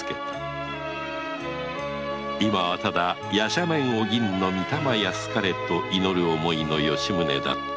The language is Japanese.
今はただ夜叉面お銀の御霊安かれと祈る思いの吉宗だった